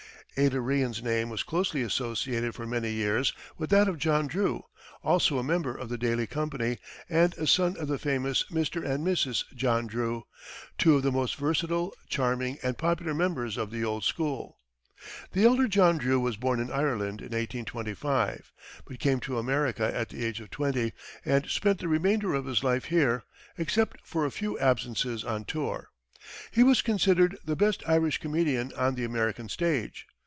Ada Rehan's name was closely associated for many years with that of John Drew, also a member of the Daly company, and a son of the famous "Mr. and Mrs. John Drew," two of the most versatile, charming and popular members of the old school. The elder John Drew was born in Ireland in 1825, but came to America at the age of twenty and spent the remainder of his life here, except for a few absences on tour. He was considered the best Irish comedian on the American stage.